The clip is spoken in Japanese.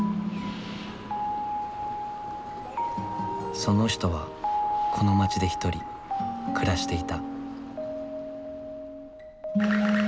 その人はこの街で１人暮らしていた。